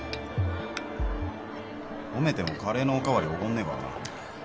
褒めてもカレーのお代わりおごんねえからな